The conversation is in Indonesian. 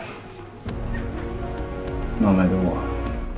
tidak kira apa pun